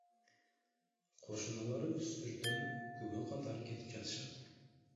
Кошуналары үстүртөн күбө катары кетип жатышат.